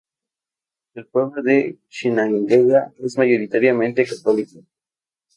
El pueblo de Chinandega es mayoritariamente católico.